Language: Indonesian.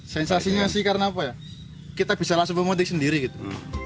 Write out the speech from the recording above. sensasinya sih karena apa ya kita bisa langsung memetik sendiri gitu